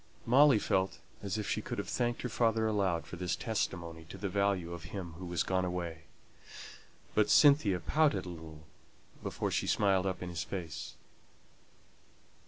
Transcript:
Molly felt as if she could have thanked her father aloud for this testimony to the value of him who was gone away. But Cynthia pouted a little before she smiled up in his face.